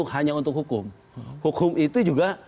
hanya untuk hukum hukum itu juga